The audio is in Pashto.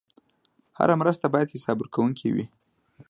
هره مرسته باید حسابورکونکې وي.